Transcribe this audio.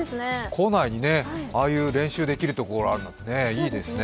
校内にああいう練習できるところがあるのはいいですね。